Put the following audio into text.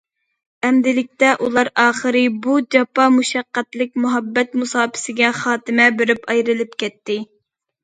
ئەمدىلىكتە ئۇلار ئاخىرى بۇ جاپا- مۇشەققەتلىك مۇھەببەت مۇساپىسىگە خاتىمە بېرىپ، ئايرىلىپ كەتتى.